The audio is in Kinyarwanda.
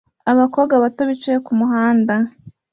Abakobwa bato bicaye kumuhanda